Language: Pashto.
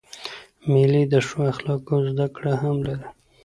مېلې د ښو اخلاقو زدهکړه هم لري.